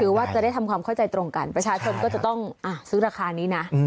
ว่าจะได้ทำความเข้าใจตรงกันประชาชนก็จะต้องซื้อราคานี้นะ